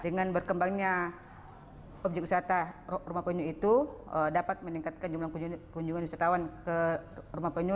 dengan berkembangnya objek wisata rumah penyu itu dapat meningkatkan jumlah kunjungan wisatawan ke rumah penyu